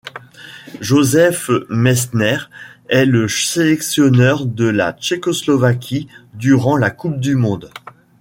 Josef Meissner est le sélectionneur de la Tchécoslovaquie durant la Coupe du monde.